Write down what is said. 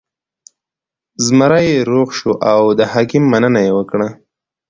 زمری روغ شو او د حکیم مننه یې وکړه.